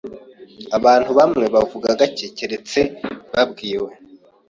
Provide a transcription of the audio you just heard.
Abantu bamwe bavuga gake keretse babwiwe.